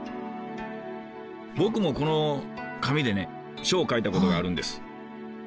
僕もこの紙でね書を書いたことがあるんです。